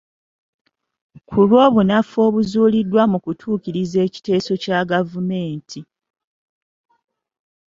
Ku lw'obunafu obuzuuliddwa mu kutuukiriza ekiteeso kya gavumenti.